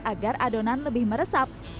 agar adonan lebih meresap